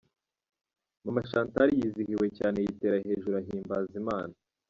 Mama Chantal yizihiwe cyane yitera hejuru ahimbaza Imana.